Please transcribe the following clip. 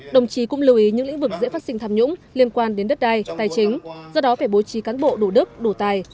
đồng chí cũng lưu ý những lĩnh vực dễ phát sinh tham nhũng liên quan đến đất đai tài chính do đó phải bố trí cán bộ đủ đức đủ tài